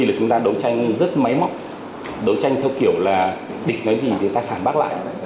chúng ta đấu tranh rất máy móc đấu tranh theo kiểu là địch nói gì thì ta phản bác lại